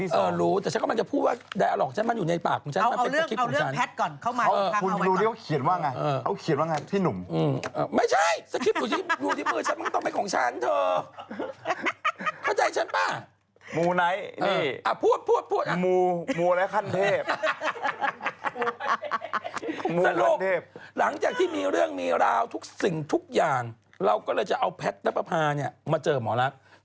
สรุปหลังจากที่มีเรื่องมีราวทุกสิ่งทุกอย่างเราก็เลยจะเอาแพทย์นับประพาเนี่ยมาเจอหมอลักษณ์